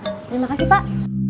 terima kasih pak